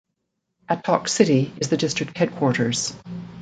Attock city is the district headquarters.